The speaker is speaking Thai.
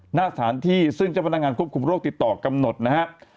หน้าสถานที่ซึ่งเจ้าพนักงานควบคุมโรคติดต่อกำหนดนะครับ